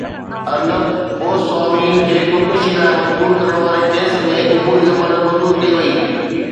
ارنب گوسوامي کي خودڪشي لاءِ مجبور ڪرڻ واري ڪيس ۾ عبوري ضمانت منظور ڪئي وئي